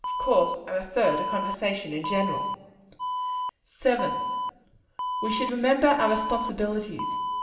Of course I refer to conversation in general. 7. We should remember our responsibilities.